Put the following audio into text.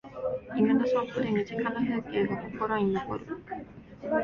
犬の散歩で身近な風景が心に残る